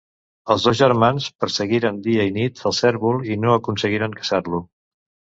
Els dos germans perseguiren dia i nit el cérvol i no aconseguiren caçar-lo.